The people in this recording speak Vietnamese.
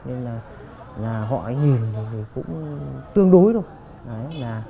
nên là họ nhìn cũng tương đối thôi